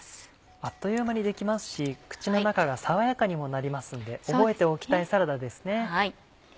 あっという間にできますし口の中が爽やかにもなりますので覚えておきたいサラダですね。